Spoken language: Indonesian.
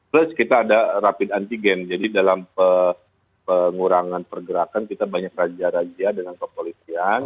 plus kita ada rapid antigen jadi dalam pengurangan pergerakan kita banyak raja raja dengan kepolisian